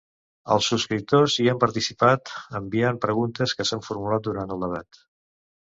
Els subscriptors hi han participat enviant preguntes que s’han formulat durant el debat.